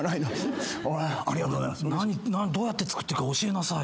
どうやって作ってるか教えなさいよ。